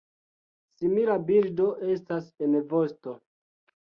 Simila bildo estas en vosto.